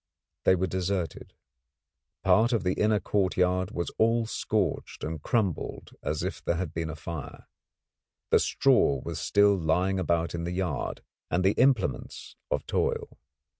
They were deserted. Part of the inner courtyard was all scorched and crumbled as if there had been a fire. The straw was still lying about in the yard, and the implements of toil.